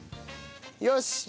よし。